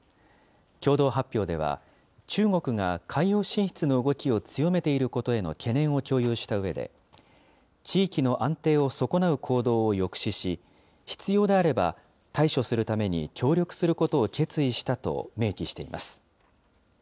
共同発表では、中国が海洋進出の動きを強めていることへの懸念を共有したうえで、地域の安定を損なう行動を抑止し、必要であれば対処するために協力することを決意したと明記しています。